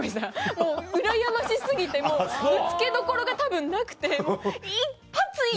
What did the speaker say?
もううらやまし過ぎてぶつけどころがたぶんなくて「１発いい？」